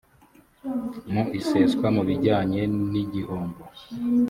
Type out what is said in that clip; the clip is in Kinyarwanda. mu iseswa mu bijyanye n igihombo